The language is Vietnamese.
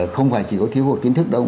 không phải chỉ có thiếu hộ kiến thức đâu